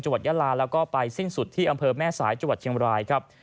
จัวร์ยะลาแล้วก็ไปสิ้นสุดที่อำเภอแม่สายจัวร์เทียงวาลัยครับ